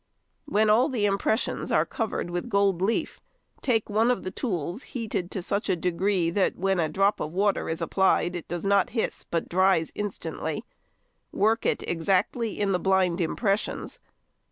When all the impressions are covered |128| with gold leaf, take one of the tools heated to such a degree that when a drop of water is applied it does not hiss but dries instantly; work it exactly in the blind impressions.